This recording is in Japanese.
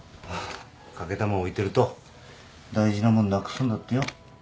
欠けたもん置いてると大事なもんなくすんだってよ。